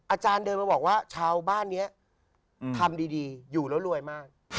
อาจารย์เดินมาบอกว่าชาวบ้านนี้ทำดีอยู่แล้วรวยมาก